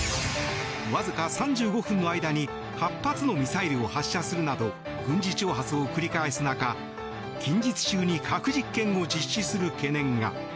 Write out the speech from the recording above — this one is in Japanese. わずか３５分の間に８発のミサイルを発射するなど軍事挑発を繰り返す中、近日中に核実験を実施する懸念が。